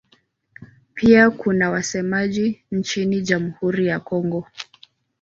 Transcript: Pia kuna wasemaji nchini Jamhuri ya Kongo.